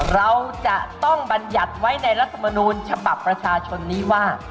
เราจะต้องบรรยัติไว้ในรัฐมนูลฉบับประชาชนนี้ว่า